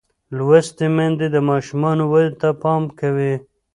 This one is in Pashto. لوستې میندې د ماشوم ودې ته پام کوي.